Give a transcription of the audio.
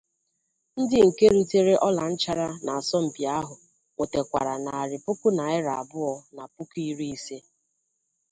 Ndị nke ritere ọlanchara n'asọmpi ahụ nwetèkwàrà narị puku naịra abụọ na puku iri ise